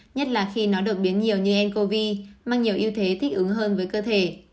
nhất là khi nó được biến nhiều như ncov mang nhiều ưu thế thích ứng hơn với cơ thể